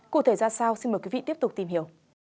cụ thể ra sao xin mời quý vị tiếp tục tìm hiểu